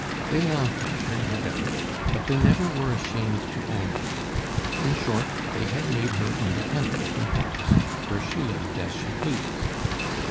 They laughed at her no doubt, but they never were ashamed to own her. In short, they had made her independent in Paris, where she lived as she pleased.